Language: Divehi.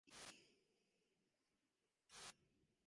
އަދި ދޮށީކަލޭގެފާނުންގެ ކުޑަސީދީ ވެސް ހިމެނެ